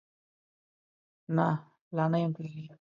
نه، لا نه یم تللی